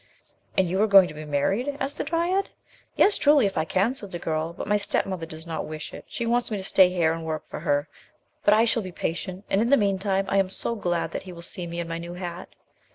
"And you are going to be married?" asked the dryad. "Yes, truly, if I can," said the girl, "but my step mother does not wish it; she wants me to stay here and work for her. But I shall be patient and, in the meantime, I am so glad that he will see me in my new hat."